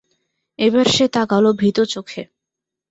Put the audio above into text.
এবার সে তাকাল ভীত চোখে।